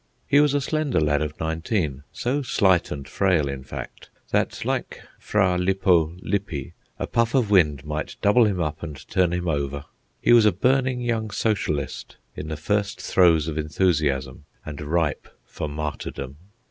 He was a slender lad of nineteen, so slight and frail, in fact, that, like Fra Lippo Lippi, a puff of wind might double him up and turn him over. He was a burning young socialist, in the first throes of enthusiasm and ripe for martyrdom.